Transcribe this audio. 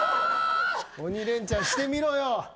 鬼レンチャンしてみろよ。